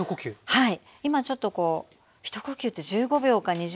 はい。